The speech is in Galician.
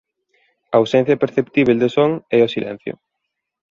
A ausencia perceptíbel de son é o silencio.